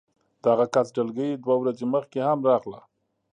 د هغه کس ډلګۍ دوه ورځې مخکې هم راغله